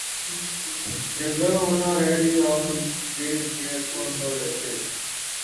Jaganmohan Reddy all gave their condolences.